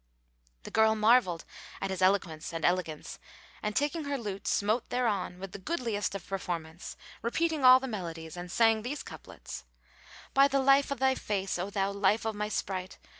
The girl marvelled at his eloquence and elegance and taking her lute, smote thereon with the goodliest of performance, repeating all the melodies, and sang these couplets, "By the life o' thy face, O thou life o' my sprite!